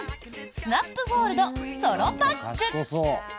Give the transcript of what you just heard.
スナップフォールドソロパック。